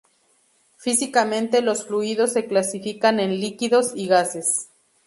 Físicamente los fluidos se clasifican en líquidos y gases.